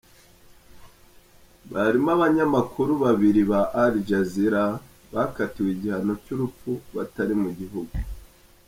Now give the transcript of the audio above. Barimo abanyamakuru babiri ba Al Jazeera bakatiwe igihano cy'urupfu batari mu gihugu.